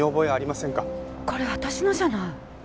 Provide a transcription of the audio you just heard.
これ私のじゃない！？